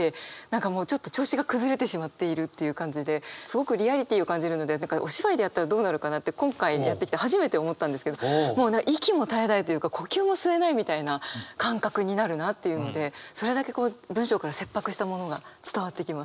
何かもうちょっと調子が崩れてしまっているっていう感じですごくリアリティーを感じるのでお芝居でやったらどうなるかなって今回やってきて初めて思ったんですけどもう息も絶え絶えというか呼吸も吸えないみたいな感覚になるなっていうのでそれだけ文章から切迫したものが伝わってきます。